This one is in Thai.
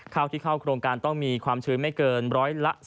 ข้าวที่เข้าโครงการต้องมีความชื้นไม่เกินร้อยละ๑๐